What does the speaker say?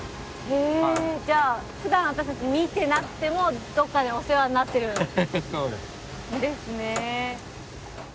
へじゃあふだん私たち見てなくてもどっかでお世話になってるんですね。